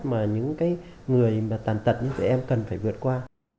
mà những người mà tàn tật như tụi em cần phải vượt qua